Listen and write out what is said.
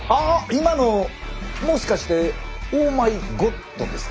今のもしかしてオーマイゴッドですか？